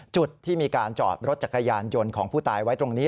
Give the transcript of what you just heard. จุดที่มีการจอดรถจักรยานยนต์ของผู้ตายไว้ตรงนี้